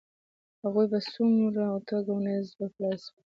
هغوی یې په موثره توګه ونه ځپلای سوای.